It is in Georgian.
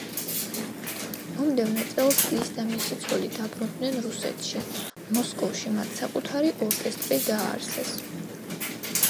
მომდევნო წელს ის და მისი ცოლი დაბრუნდნენ რუსეთში; მოსკოვში მათ საკუთარი ორკესტრი დააარსეს.